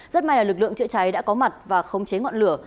rất may là lực lượng chữa cháy đã có mặt và khống chế ngọn lửa